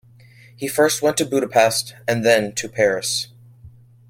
He first went to Budapest and then to Paris.